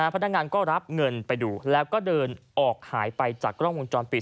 พนักงานก็รับเงินไปดูแล้วก็เดินออกหายไปจากกล้องวงจรปิด